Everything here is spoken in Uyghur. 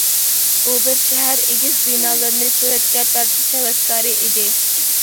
ئۇ بىر شەھەر ئېگىز بىنالىرىنى سۈرەتكە تارتىش ھەۋەسكارى ئىدى.